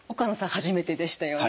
初めてでしたよね。